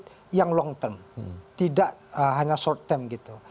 ada yang long term tidak hanya short term gitu